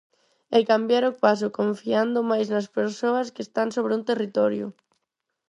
E cambiar o paso confiando máis nas persoas que están sobre un territorio.